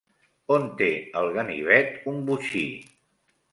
On té el ganivet un botxí?